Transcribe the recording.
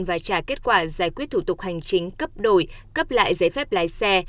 và trả kết quả giải quyết thủ tục hành chính cấp đổi cấp lại giấy phép lái xe